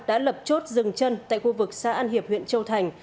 đã lập chốt rừng chân tại khu vực xa an hiệp huyện châu thành